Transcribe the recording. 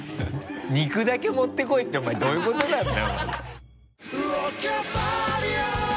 肉だけ持って来いってお前どういうことなんだ。